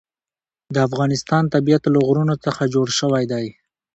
د افغانستان طبیعت له غرونه څخه جوړ شوی دی.